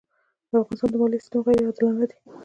د افغانستان د مالیې سېستم غیرې عادلانه دی.